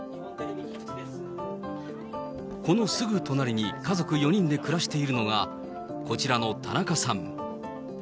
このすぐ隣に家族４人で暮らしているのが、こちらの田中さん。